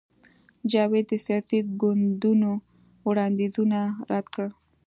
جاوید د سیاسي ګوندونو وړاندیزونه رد کړل